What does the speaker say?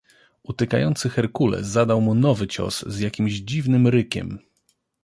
"Utykający herkules zadał mu nowy cios z jakimś dziwnym rykiem."